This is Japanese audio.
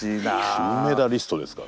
金メダリストですから。